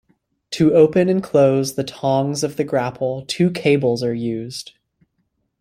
To open and close the tongs of the grapple, two cables are used.